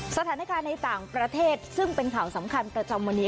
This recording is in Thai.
สถานการณ์ในต่างประเทศซึ่งเป็นข่าวสำคัญประจำวันนี้